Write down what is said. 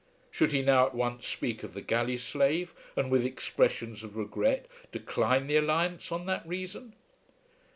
Should he now at once speak of the galley slave, and, with expressions of regret, decline the alliance on that reason?